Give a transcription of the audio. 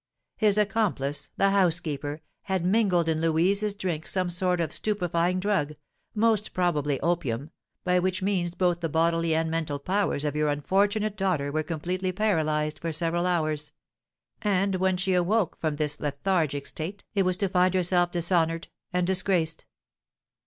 "His accomplice, the housekeeper, had mingled in Louise's drink some sort of stupefying drug, most probably opium, by which means both the bodily and mental powers of your unfortunate daughter were completely paralysed for several hours; and when she awoke from this lethargic state it was to find herself dishonoured and disgraced."